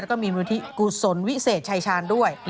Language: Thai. แล้วก็มีมูลที่กุศลวิเศษชายชาญด้วย